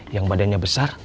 yang badannya besar